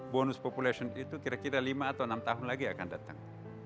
bonus population itu kira kira lima atau enam tahun lagi akan datang